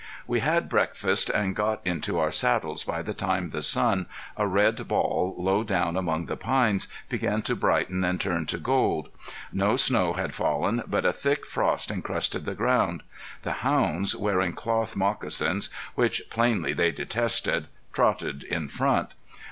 We had breakfast and got into our saddles by the time the sun, a red ball low down among the pines, began to brighten and turn to gold. No snow had fallen but a thick frost encrusted the ground. The hounds, wearing cloth moccasins, which plainly they detested, trotted in front.